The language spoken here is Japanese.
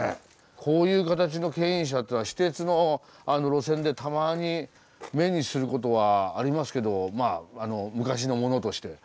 こういう形の牽引車ってのは私鉄の路線でたまに目にする事はありますけどまあ昔のものとして。